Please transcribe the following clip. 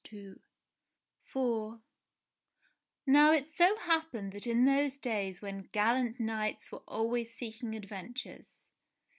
IV Now it so happened that in those days when gallant knights were always seeking adventures.